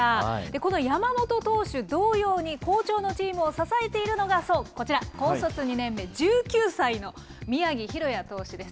この山本投手同様に、好調のチームを支えているのがこちら、高卒２年目、１９歳の宮城大弥投手です。